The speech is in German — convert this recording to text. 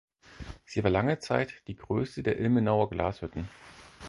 Sie war lange Zeit die größte der Ilmenauer Glashütten.